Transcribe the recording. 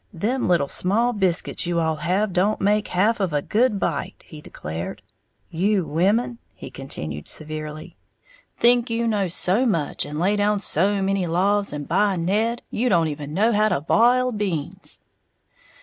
"Them little small biscuits you all have don't make half of a good bite," he declared: "You women," he continued, severely, "think you know so much, and lay down so many laws, and, by Ned, you don't even know how to bile beans!"